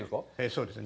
そうです。